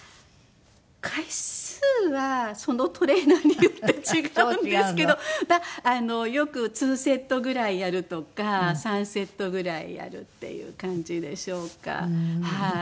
回数はそのトレーナーによって違うんですけどよく２セットぐらいやるとか３セットぐらいやるっていう感じでしょうかはい。